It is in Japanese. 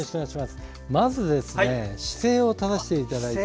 まず、姿勢を正していただいて。